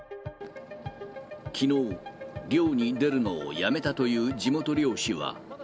きのう、漁に出るのをやめたという地元漁師は。